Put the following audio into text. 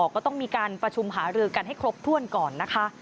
ก็ต้องมีการประชุมหารือกันให้ครบถ้วนก่อนนะคะ